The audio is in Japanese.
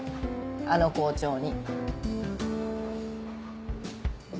あの校長に。